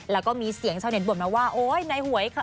แล้วก็มีเสียงของชาวเน็ตบว่ามันว่าโอ้ยในหัวค่ะ